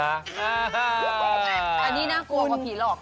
อันนี้น่ากลัวกว่าผีหลอก